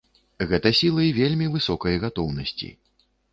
Гэта сілы вельмі высокай гатоўнасці.